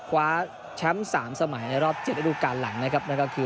คว้าแชมป์๓สมัยในรอบ๗ระดูการหลังนะครับนั่นก็คือ